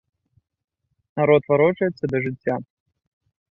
Народ варочаецца да жыцця.